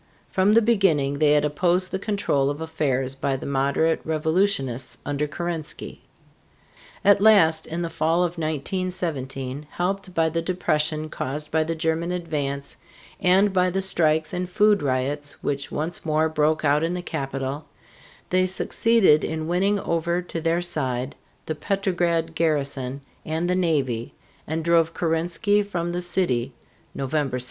From the beginning they had opposed the control of affairs by the moderate revolutionists under Kerensky. At last, in the fall of 1917, helped by the depression caused by the German advance and by the strikes and food riots which once more broke out in the capital, they succeeded in winning over to their side the Petrograd garrison and the navy, and drove Kerensky from the city (November 7).